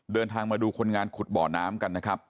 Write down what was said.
เดินทางมาดูคนงานขุดบ่อน้ำกันนะครับ